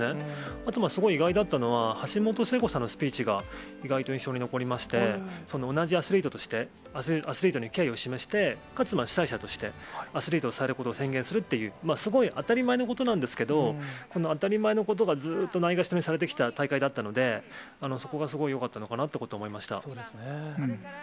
あとすごい意外だったのが、橋本聖子さんのスピーチが、意外と印象に残りまして、同じアスリートとして、アスリートに敬意を示して、かつ、被災者として、アスリートを支えることを宣言するという、すごい当たり前のことなんですけど、この当たり前のことがずっとないがしろにされてきた大会だったので、そこがすごいよかったのかなということは思いました。